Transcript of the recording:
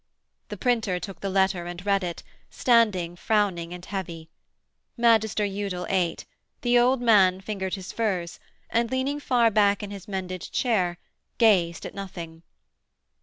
The printer took the letter and read it, standing, frowning and heavy. Magister Udal ate; the old man fingered his furs and, leaning far back in his mended chair, gazed at nothing.